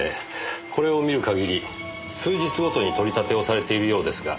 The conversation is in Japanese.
これを見る限り数日ごとに取り立てをされているようですが。